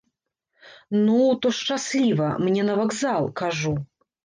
Ну, то шчасліва, мне на вакзал, кажу.